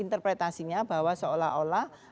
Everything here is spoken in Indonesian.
interpretasinya bahwa seolah olah